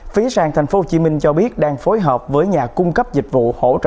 phí sang tp hcm cho biết đang phối hợp với nhà cung cấp dịch vụ hỗ trợ